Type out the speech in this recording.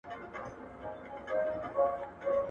بریا ستا په ارادې پورې اړه لري.